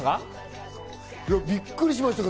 びっくりしましたか？